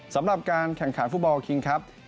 สำหรับการแข่งขันฟุตบอลคิงครับ